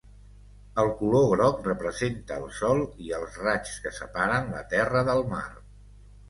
El color groc representa el sol i els raigs que separen la terra del mar.